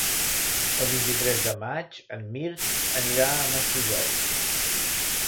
El vint-i-tres de maig en Mirt anirà a Maspujols.